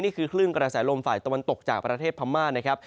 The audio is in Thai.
นี่คือคลื่นกระแสโลมฝ่ายตะวันตกจากประเทศพรรมานนะครับ